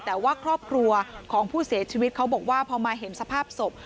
แต่ว่าครอบครัวของผู้เสียชีวิตเขาบอกว่าพอมาเห็นสภาพศพ